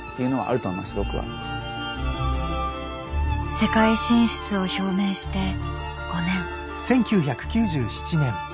世界進出を表明して５年。